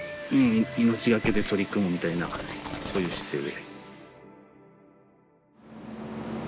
命がけで取り組むみたいなそういう姿勢で。